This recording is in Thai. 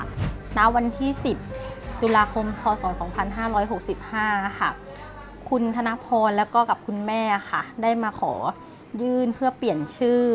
ณวันที่๑๐ตุลาคมพศ๒๕๖๕ค่ะคุณธนพรแล้วก็กับคุณแม่ค่ะได้มาขอยื่นเพื่อเปลี่ยนชื่อ